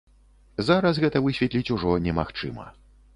Зараз гэта высветліць ужо немагчыма.